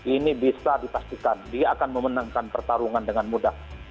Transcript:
ini bisa dipastikan dia akan memenangkan pertarungan dengan mudah